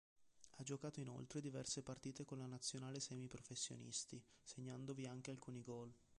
Ha giocato inoltre diverse partite con la nazionale semiprofessionisti, segnandovi anche alcuni gol.